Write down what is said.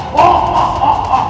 kau terlalu keras